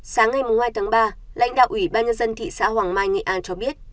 sáng ngày hai tháng ba lãnh đạo ủy ban nhân dân thị xã hoàng mai nghệ an cho biết